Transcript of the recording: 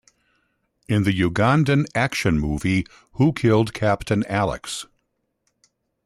In the Ugandan action movie Who Killed Captain Alex?